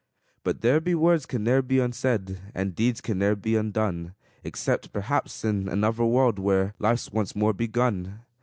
But there be words can ne'er be unsaid, And deeds can ne'er be undone, Except perhaps in another world, Where life's once more begun.